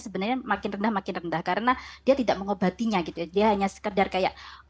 sebenarnya makin rendah makin rendah karena dia tidak mengobatinya gitu dia hanya sekedar kayak